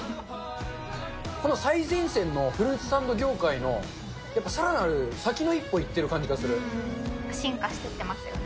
この最前線のフルーツサンド業界のやっぱさらなる先の一歩いって進化してってますよね。